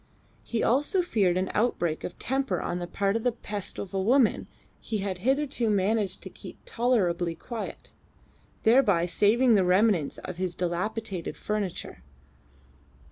He also feared an outbreak of temper on the part of that pest of a woman he had hitherto managed to keep tolerably quiet, thereby saving the remnants of his dilapidated furniture.